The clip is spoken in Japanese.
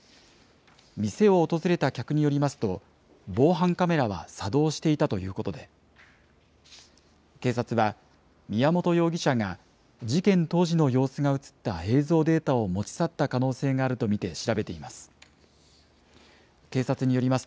店を訪れた客によりますと、防犯カメラは作動していたということで、警察は、宮本容疑者が事件当時の様子が写った映像データを持ち去った可能性があると見て調べています。